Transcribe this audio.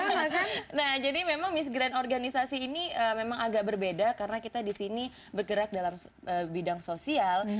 nah jadi memang mis grand organisasi ini memang agak berbeda karena kita di sini bergerak dalam bidang sosial